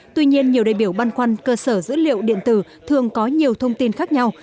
tuy nhiên nhiều đại biểu băn khoăn cơ sở dữ liệu điện tử thường có nhiều thông tin khác nhau